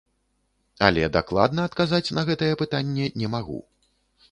Але дакладна адказаць на гэтае пытанне не магу.